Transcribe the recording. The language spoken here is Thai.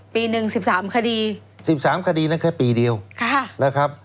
ปีหนึ่ง๑๓คดี๑๓คดีนั้นแค่ปีเดียวนะครับ